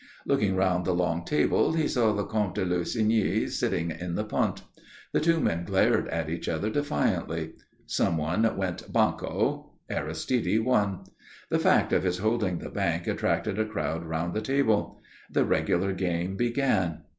Looking round the long table he saw the Comte de Lussigny sitting in the punt. The two men glared at each other defiantly. Someone went "banco." Aristide won. The fact of his holding the bank attracted a crowd round the table. The regular game began.